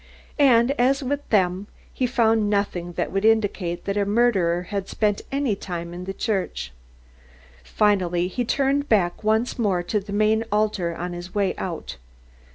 And as with them, he found nothing that would indicate that the murderer had spent any time in the church. Finally he turned back once more to the main altar on his way out.